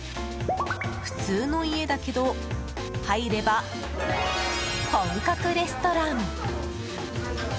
普通の家だけど入れば本格レストラン。